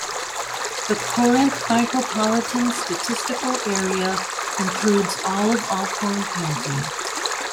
The Corinth Micropolitan Statistical Area includes all of Alcorn County.